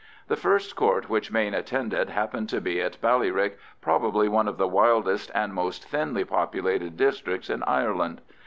The first Court which Mayne attended happened to be at Ballyrick, probably one of the wildest and most thinly populated districts in Ireland.